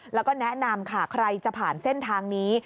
แล้วก็แนะนำค่ะใครจะผ่านเส้นทางนี้